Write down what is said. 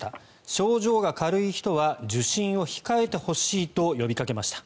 症状が軽い人は受診を控えてほしいと呼びかけました。